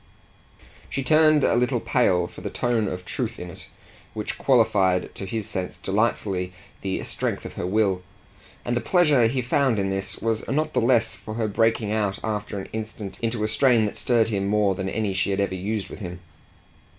She turned a little pale for the tone of truth in it which qualified to his sense delightfully the strength of her will; and the pleasure he found in this was not the less for her breaking out after an instant into a strain that stirred him more than any she had ever used with him.